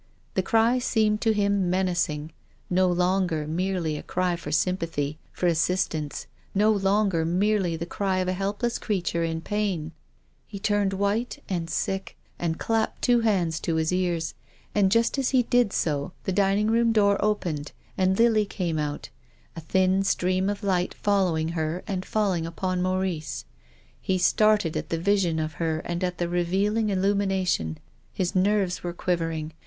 The cry seemed to him menacing, no longer merely a cry for sympathy, for assistance, no longer merely the cry of a helpless creature in THE LIVING CHILD. 245 pain. He turned white and sick, and clapped his two hands to his ears. And just as he did so the dining room door opened and Lily came out, a thin stream of light following her and falling upon Maurice. He started at the vision of her and at the revealing illumination. His nerves were quivering.